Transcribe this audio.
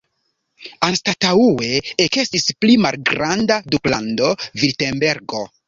Anstataŭe ekestis pli malgranda duklando Virtembergo.